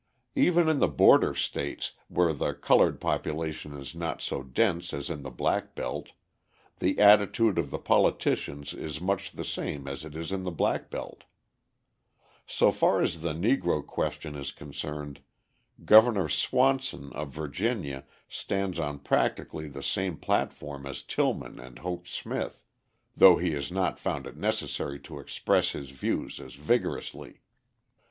Even in the border states, where the coloured population is not so dense as in the black belt, the attitude of the politicians is much the same as it is in the black belt. So far as the Negro question is concerned, Governor Swanson of Virginia stands on practically the same platform as Tillman and Hoke Smith though he has not found it necessary to express his views as vigorously.